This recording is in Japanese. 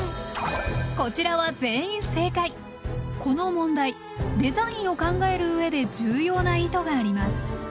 こちらはこの問題デザインを考えるうえで重要な意図があります。